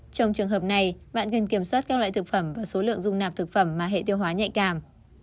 trong trường hợp này bạn cần kiểm soát các loại thực phẩm và số lượng dung nạp thực phẩm mà hệ tiêu hóa nhạy cảm